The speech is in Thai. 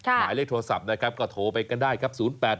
หมายเลขโทรศัพท์นะครับก็โทรไปกันได้ครับ